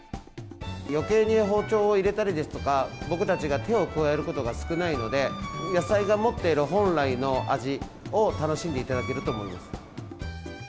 よけいに包丁を入れたりですとか、僕たちが手を加えることが少ないので、野菜が持っている本来の味を楽しんでいただけると思います。